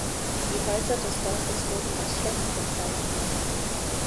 Die Häuser des Dorfes wurden als schlecht bezeichnet.